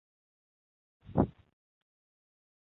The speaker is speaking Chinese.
有人说，何首乌根是有像人形的，吃了便可以成仙